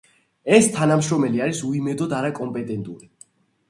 ეს თანამშრომელი არის უიმედოდ არაკომპეტენტური.